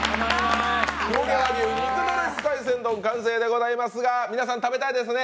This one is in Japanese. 黒毛和牛肉ドレス海鮮丼、完成でございますが、皆さん食べたいですね？